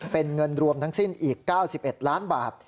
เป็นเงินรวมทั้งสิ้นอีก๙๑ล้านบาท